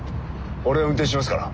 俺が運転しますから。